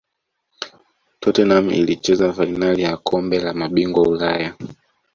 tottenham ilicheza fainali ya kombe la mabingwa ulaya